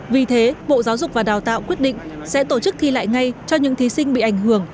vì thế bộ giáo dục và đào tạo quyết định sẽ tổ chức thi lại ngay cho những thí sinh bị ảnh hưởng